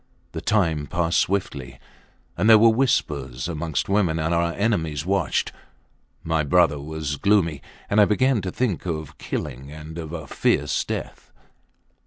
The time passed swiftly ... and there were whispers amongst women and our enemies watched my brother was gloomy, and I began to think of killing and of a fierce death.